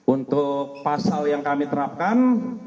untuk pasal yang kami terapkan